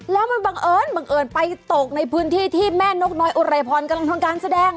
แล้วมันบังเอิญบังเอิญไปตกในพื้นที่ที่แม่นกน้อยอุไรพรกำลังทำการแสดง